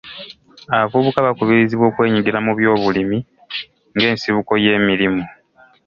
Abavubuka bakubirizibwa okwenyigira mu byobulimi ng'ensibuko y'emirimu.